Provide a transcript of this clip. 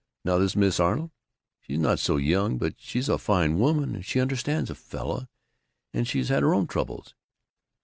Now this Mrs. Arnold, she's not so young, but she's a fine woman and she understands a fellow, and she's had her own troubles."